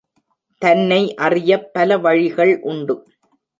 தன்னை அறியப் பல வழிகள் உண்டு.